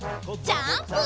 ジャンプ！